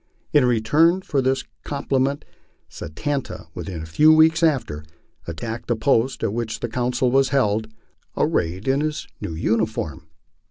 In re turn for this compliment Satanta, within a few weeks after, attacked the post at which the council was held, arrayed in his new uniform.